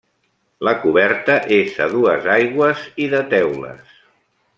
La coberta és a dues aigües i de teules.